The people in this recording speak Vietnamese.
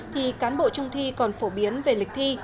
thì cán bộ trung thi còn phổ biến về lịch thi